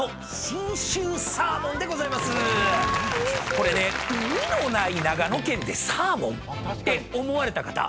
これね海のない長野県でサーモン？って思われた方